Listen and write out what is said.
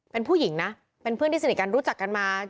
เป็นผู้หญิงนะเป็นเพื่อนที่สนิทกันรู้จักกันมา